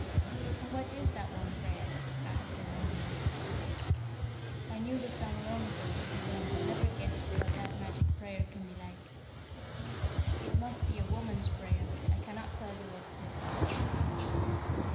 "And what is that one prayer?" asked the Wanderer. "I knew the song long ago, but I have never guessed what that magic prayer can be like." "It must be a woman's prayer; I cannot tell you what it is."